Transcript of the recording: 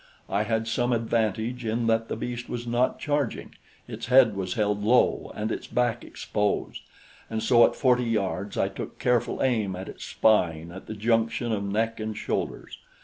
I had some advantage in that the beast was not charging; its head was held low and its back exposed; and so at forty yards I took careful aim at its spine at the junction of neck and shoulders.